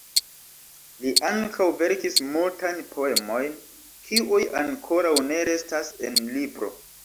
Li ankaŭ verkis multajn poemojn kiuj ankoraŭ ne restas en libro.